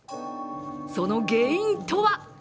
その原因とは！